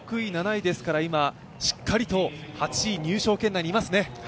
６位、７位ですから今、しっかりと８位入賞圏内にいますね。